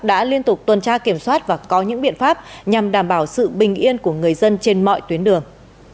đã liên tục tuần tra kiểm soát và có những biện pháp nhằm đảm bảo sự bình yên của người dân trên mọi tuyến đường